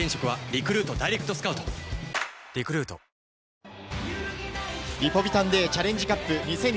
リポビタンＤチャレンジカップ２０２２。